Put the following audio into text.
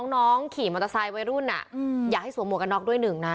น้องขี่มอเตอร์ไซค์วัยรุ่นอย่าให้สวมวกกันนอกด้วย๑